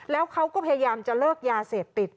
แล้วเขาก็พยายามจะเลิกยาเสพติด